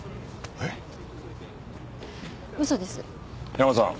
ヤマさん。